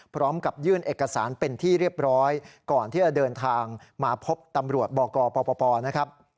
พร้อมกับยื่นเอกสารเป็นที่เรียบร้อยก่อนที่จะเดินทางมาพบตำรวจบกปปนะครับ